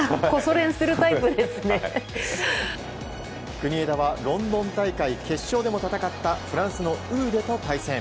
国枝はロンドン大会決勝でも戦ったフランスのウーデと対戦。